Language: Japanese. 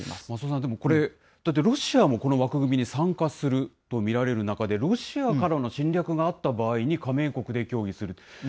松尾さん、でもこれ、だって、ロシアもこの枠組みに参加すると見られる中で、ロシアからの侵略があった場合に加盟国で協議する。